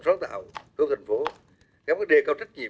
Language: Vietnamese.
sáng tạo của tp hcm các vấn đề cao trách nhiệm